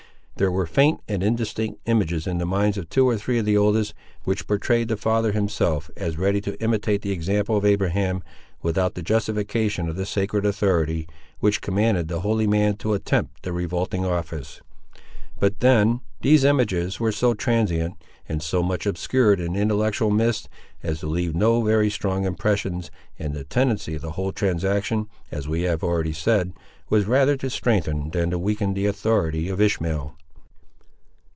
There were faint and indistinct images in the minds of two or three of the oldest, which portrayed the father himself, as ready to imitate the example of Abraham, without the justification of the sacred authority which commanded the holy man to attempt the revolting office. But then, these images were so transient, and so much obscured in intellectual mists, as to leave no very strong impressions, and the tendency of the whole transaction, as we have already said, was rather to strengthen than to weaken the authority of Ishmael.